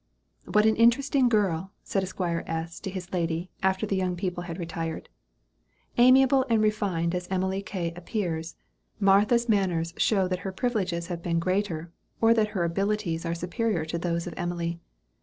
"What an interesting girl!" said Esq. S. to his lady, after the young people had retired. "Amiable and refined as Emily K. appears, Martha's manners show that her privileges have been greater, or that her abilities are superior to those of Emily.